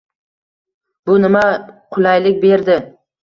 Bu nima qulaylik berdi?